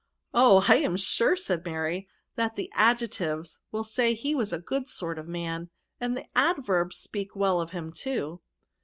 " Oh ! I am sure," said Mary, that the Adjectives will say he was a good sort of man; and the Adverbs speak well of him too."